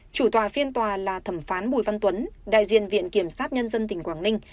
chủ tòa phiên tòa là thẩm phán bùi văn tuấn đại diện viện kiểm sát nhân dân tỉnh quảng ninh